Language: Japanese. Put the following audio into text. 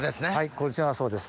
こちらがそうです。